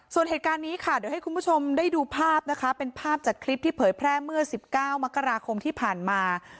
ส่วนเหตุการณ์นี้ค่ะเดี๋ยวให้คุณผู้ชมได้ดูภาพนะคะเป็นภาพจากคลิปที่เผยแพร่เมื่อ๑๙มกราคมที่ผ่านมา